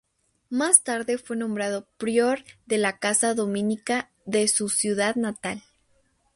Más tarde fue nombrado Prior de la Casa Dominica de su ciudad natal.